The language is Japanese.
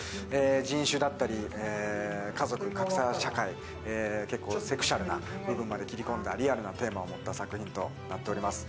人種だったり家族、格差社会、結構セクシュアルな部分まで切り込んだリアルなテーマを持った作品となっております。